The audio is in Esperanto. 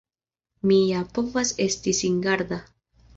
Mi ja povas esti singarda!